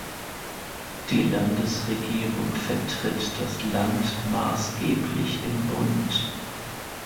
Die Landesregierung vertritt das Land maßgeblich im Bund.